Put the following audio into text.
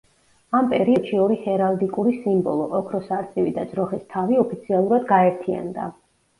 ამ პერიოდში ორი ჰერალდიკური სიმბოლო, ოქროს არწივი და ძროხის თავი, ოფიციალურად გაერთიანდა.